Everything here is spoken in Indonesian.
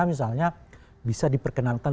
misalnya bisa diperkenalkan